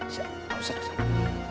sini aku sedang sedang